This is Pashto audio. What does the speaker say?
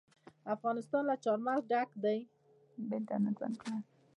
افغانستان له چار مغز ډک دی.